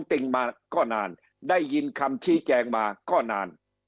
เอาเป็นว่าไม่ต้องลงรายละเอียดว่าเขาทวงไว้ยังไง